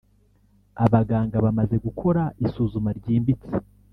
Abaganga bamaze gukora isuzuma ryimbitse